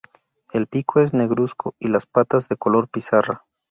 El pico es negruzco y las patas de color pizarra.